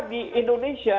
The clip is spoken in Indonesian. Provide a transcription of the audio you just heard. kita di indonesia